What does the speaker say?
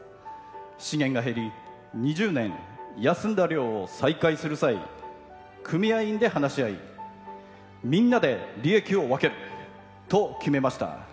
資源が減り２０年休んだ漁を再開する際、組合員で話し合いみんなで利益を分けると決めました。